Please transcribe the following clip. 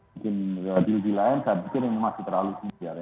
mungkin diri diri lain saya pikir ini masih terlalu simpil ya